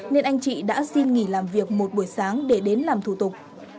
nên anh chị đã xin nghỉ làm việc một buổi sáng để đến làm thủ tục